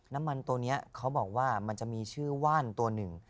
น้ำมันตัวนี้เขาบอกว่ามันจะมีชื่อว่านตัวหนึ่ง